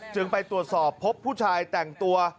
ไปตรวจสอบพบผู้ชายแต่งตัว